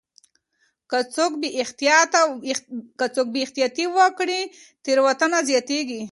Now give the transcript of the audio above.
که څوک بې احتياطي وکړي تېروتنه زياتيږي.